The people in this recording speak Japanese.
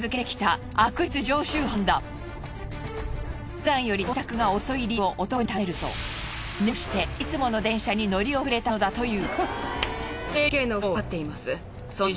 ふだんより到着が遅い理由を男に尋ねると寝坊していつもの電車に乗り遅れたのだという。